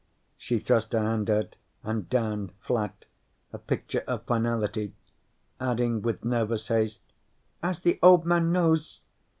She thrust her hand out and down, flat, a picture of finality, adding with nervous haste: "As the Old Man knows.